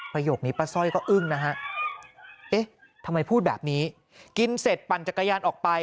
ประโยคนี้ป้าสร้อยก็อึ้งนะฮะเอ๊ะทำไมพูดแบบนี้กินเสร็จปั่นจักรยานออกไป